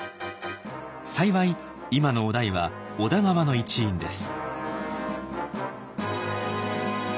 幸い今の於大は織田側の一員です。